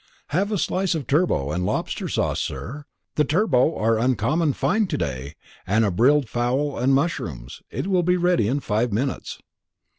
"Have a slice of turbot and lobster sauce, sir the turbot are uncommon fine to day; and a briled fowl and mushrooms. It will be ready in five minutes."